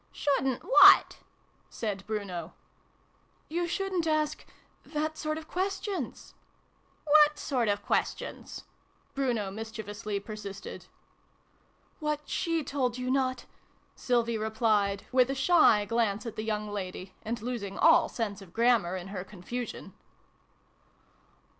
"Shouldn't what?" said Bruno. " You shouldn't ask that sort of questions." " What sort of questions?" Bruno mis chievously persisted. " What she told you not," Sylvie replied, with a shy glance at the young lady, and losing all sense of grammar in her confusion.